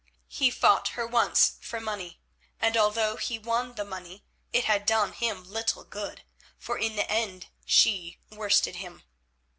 He fought her once for money, and, although he won the money, it had done him little good, for in the end she worsted him.